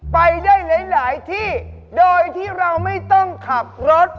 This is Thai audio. ไปได้หลายที่โดยที่เราไม่ต้องขับรถ